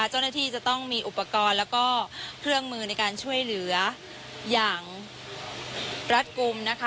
เจ้าหน้าที่จะต้องมีอุปกรณ์แล้วก็เครื่องมือในการช่วยเหลืออย่างรัดกลุ่มนะคะ